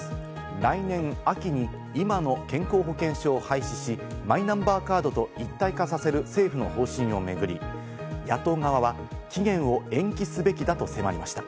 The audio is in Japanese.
来年秋に今の健康保険証を廃止し、マイナンバーカードと一体化させる政府の方針を巡り、野党側は期限を延期すべきだと迫りました。